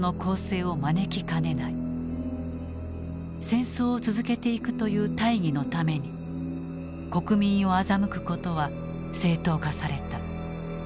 戦争を続けていくという大義のために国民を欺くことは正当化された。